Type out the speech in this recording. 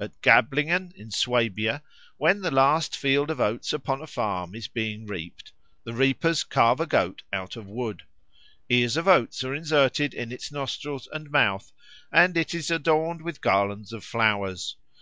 At Gablingen, in Swabia, when the last field of oats upon a farm is being reaped, the reapers carve a goat out of wood. Ears of oats are inserted in its nostrils and mouth, and it is adorned with garlands of flowers.